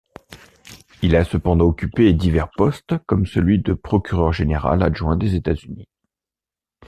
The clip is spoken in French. Il a cependant occupé divers poste comme celui de Procureur général adjoint des États-Unis.